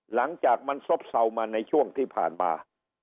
หลังจากมันซบเศร้ามาในช่วงที่ผ่านมา